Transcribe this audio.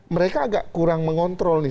mereka agak kurang mengontrol nih